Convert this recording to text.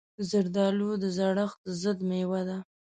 زردالو د زړښت ضد مېوه ده.